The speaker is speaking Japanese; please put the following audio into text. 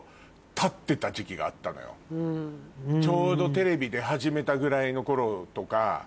ちょうどテレビ出始めたぐらいの頃とか。